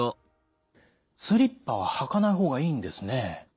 スリッパは履かない方がいいんですね。